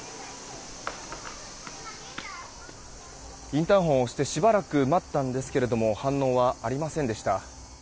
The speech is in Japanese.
インターホンを押してしばらく待ったんですけれども反応はありませんでした。